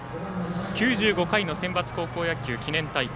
９５回の選抜高校野球記念大会。